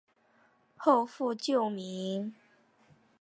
后复旧名。